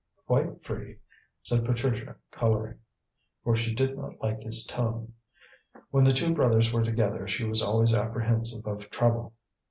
"Quite free," said Patricia colouring, for she did not like his tone. When the two brothers were together she was always apprehensive of trouble.